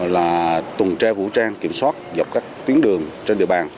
là tuần tra vũ trang kiểm soát dọc các tuyến đường trên địa bàn